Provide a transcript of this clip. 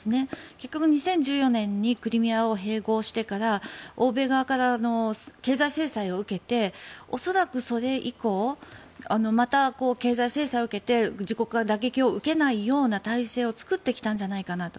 結局２０１４年にクリミアを併合してから欧米側から経済制裁を受けて恐らくそれ以降経済制裁を受けて自国が打撃を受けないような体制を作ってきたんじゃないかなと。